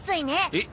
えっ？